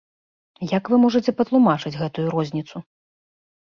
Як вы можаце патлумачыць гэтую розніцу?